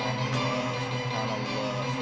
tapi ibuela sebutama aku